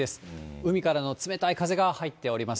海からの冷たい風が入っております。